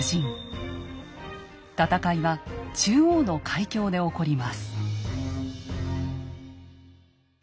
戦いは中央の海峡で起こります。